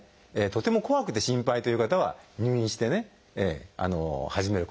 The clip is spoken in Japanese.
とても怖くて心配という方は入院して始めることもあります。